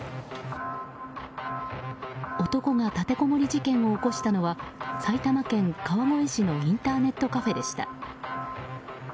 男が立てこもり事件を起こしたのは、埼玉県川越市のインターネットカフェでした。